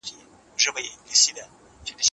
په عالي قاپي کې څلویښت ږېره لرونکي شهزادګي ژوند کاوه.